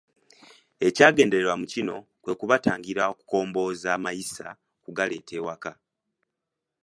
Ekyagendererwanga mu kino kwe kubatangira obutakombooza mayisa kugaleeta waka.